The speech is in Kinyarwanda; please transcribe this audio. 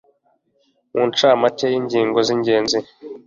mu ncamake y'ingingo zibanza